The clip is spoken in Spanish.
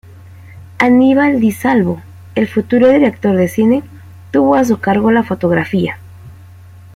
Aníbal Di Salvo, el futuro director de cine, tuvo a su cargo la fotografía.